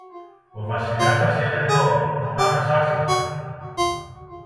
Ο Βασιλιάς σας είναι δω, ανάμεσά σας